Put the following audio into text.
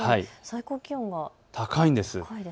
最高気温は高いんです。